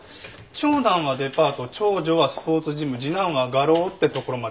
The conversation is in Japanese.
長男はデパート長女はスポーツジム次男は画廊をってところまで。